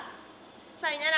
さいなら。